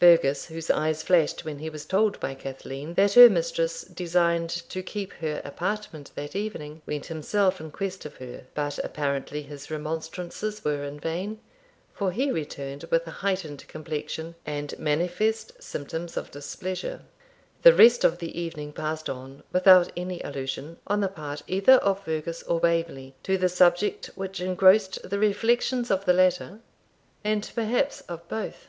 Fergus, whose eyes flashed when he was told by Cathleen that her mistress designed to keep her apartment that evening, went himself in quest of her; but apparently his remonstrances were in vain, for he returned with a heightened complexion and manifest symptoms of displeasure. The rest of the evening passed on without any allusion, on the part either of Fergus or Waverley, to the subject which engrossed the reflections of the latter, and perhaps of both.